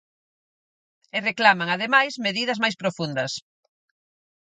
E reclaman ademais medidas máis profundas.